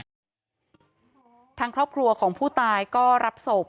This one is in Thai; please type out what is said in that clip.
ทางครอบครัวของผู้ตายก็รับศพ